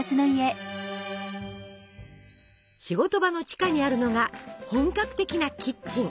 仕事場の地下にあるのが本格的なキッチン。